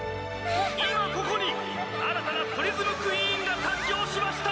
今ここに新たなプリズムクイーンが誕生しました。